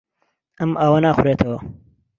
ئەم ئاوە ناخورێتەوە.